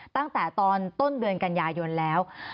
ตั้งแต่ตอนต้นเดือนกันยายนแล้ว